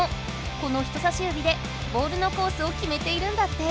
この人さし指でボールのコースをきめているんだって。